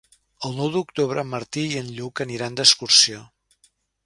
El nou d'octubre en Martí i en Lluc aniran d'excursió.